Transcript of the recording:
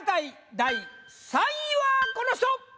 第３位はこの人！